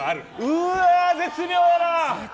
うわあ、絶妙やな！